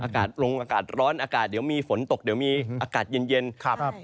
อากาศลงอากาศร้อนอากาศเดี๋ยวมีฝนตกเดี๋ยวมีอากาศเย็นเย็นครับ